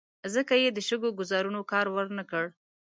ځکه یې د شګو ګوزارونو کار ور نه کړ.